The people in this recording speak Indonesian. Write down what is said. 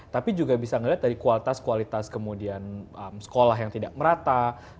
tapi juga bisa melihat dari kualitas kualitas kemudian sekolah yang tidak merata